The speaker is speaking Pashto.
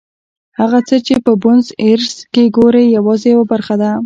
هغه څه چې په بونیس ایرس کې ګورئ یوازې یوه برخه ده.